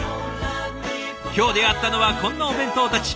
今日出会ったのはこんなお弁当たち。